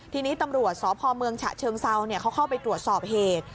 ทีนี้ตำรวจสพเมืองฉะเชิงเซาเขาเข้าไปตรวจสอบเหตุ